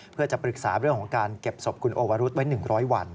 เพื่อจะปรึกษาเรื่องของการเก็บศพคุณโอวรุธไว้๑๐๐วัน